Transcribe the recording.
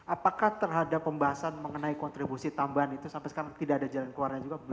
apakah terhadap pembahasan mengenai kontribusi tambahan itu sampai sekarang tidak ada jalan keluarnya juga belum